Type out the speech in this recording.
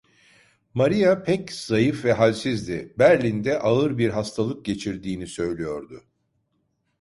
Maria pek zayıf ve halsizdi, Berlin'de ağır bir hastalık geçirdiğini söylüyordu.